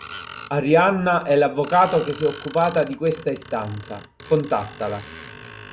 Arianna è l'avvocato che si è occupata di questa istanza, contattala.